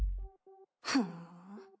ふん。